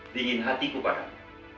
dingin hatiku padamu